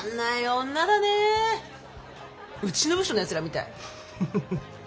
うちの部署のやつらみたい。